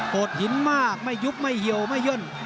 ดหินมากไม่ยุบไม่เหี่ยวไม่ย่น